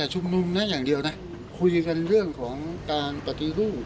ชุมนุมนะอย่างเดียวนะคุยกันเรื่องของการปฏิรูป